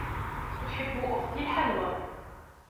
تحب أختي الحلوى.